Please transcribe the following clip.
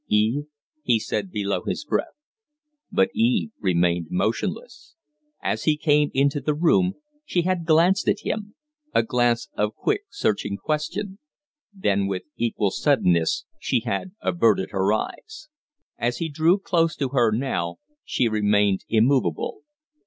"Eve ?" he said below his breath. But Eve remained motionless. As he came into the room she had glanced at him a glance of quick, searching question; then with equal suddenness she had averted her eyes. As he drew close to her now, she remained immovable.